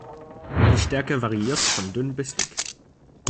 Die Stärke variiert von dünn bis dick.